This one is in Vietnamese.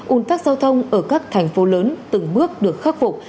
ủn tắc giao thông ở các thành phố lớn từng bước được khắc phục